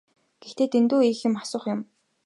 Гэхдээ дэндүү их юм асуух юм.